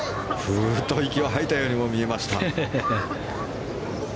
フーッと息を吐いたようにも見えました。